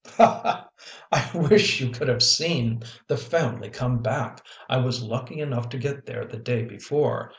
" I wish you could have seen the family come back ! I was lucky enough to get there the day before.